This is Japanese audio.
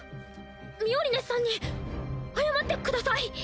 ミオリネさんに謝ってください。